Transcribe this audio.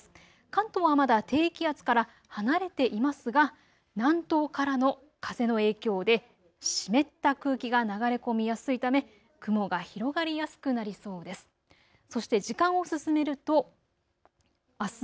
関東はまだ低気圧から離れていますが、南東からの風の影響で湿った空気が流れ込みやすいため雲が広がりやすくなりそうです。